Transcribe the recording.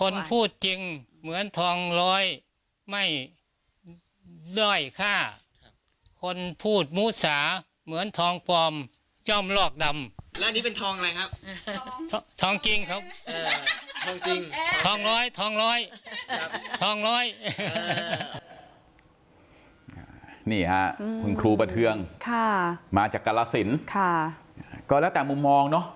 นี่ค่ะคุณครูประเทืองมาจากกรสินก็แล้วแต่มุมมองเนอะ